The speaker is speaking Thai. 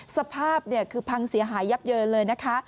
สภาพคือพังเสียหายยับเยินเลยนะคะ